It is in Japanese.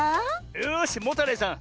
よしモタレイさん